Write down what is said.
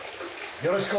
よろしく。